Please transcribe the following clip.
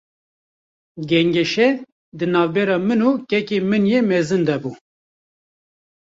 Gengeşe, di navbera min û kekê min yê mezin de bû